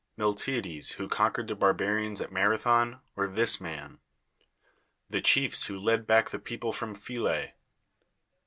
]\Iiltiades, who conquered the barbarians at ]\Iarathon, or this man? The chiefs who led back the people from Phyle